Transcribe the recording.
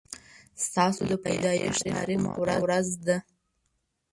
ستاسو د پيدايښت تاريخ کومه ورځ ده